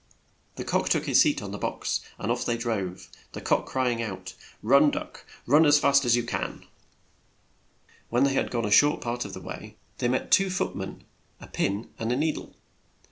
The cock took his seat on the box, and ofT they drove, the cock cry ing out, "Run, duck, run, as fast as you can!" When they had gone a short part of the way, they met two A SET OF ROGUES 107 foot men, a pin and a nee dle.